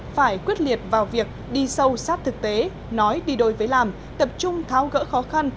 phải quyết liệt vào việc đi sâu sát thực tế nói đi đôi với làm tập trung tháo gỡ khó khăn